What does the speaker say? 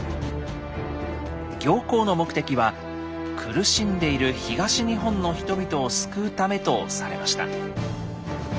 行幸の目的は「苦しんでいる東日本の人々を救うため」とされました。